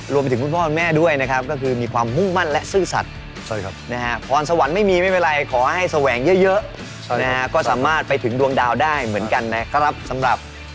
รวมจากถึงพ่อพ่อแม่ด้วยนะครับ